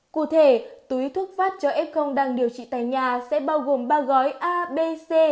cụ thể túi thuốc phát cho f đang điều trị tại nhà sẽ bao gồm ba gói a b c